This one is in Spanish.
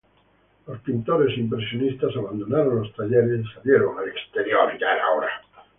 Los pintores impresionistas abandonaron los talleres y salieron al exterior.